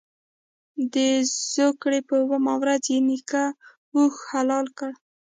د زوکړ ې په اوومه ورځ یې نیکه اوښ حلال کړ.